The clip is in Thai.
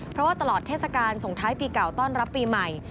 เพราะว่าตลอดเทศกาลส่งท้ายปีเก่าต้อนรับปีใหม่